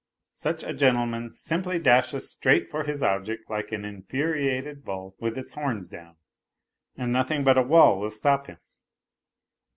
Such a gentleman simply dashes straight for his object like an infuriated bull with its horns down, and nothing but a wall will stop him.